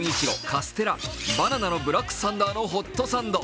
カステラ×バナナのブラックサンダーのホットサンド。